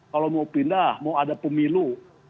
kalau mau pindah mau ada pemilu